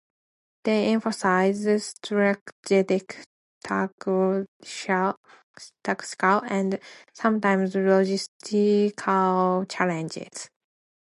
They emphasize strategic, tactical, and sometimes logistical challenges.